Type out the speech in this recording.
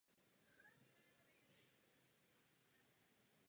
Nelze je tak spojit s dějinami Kamenice u Jihlavy.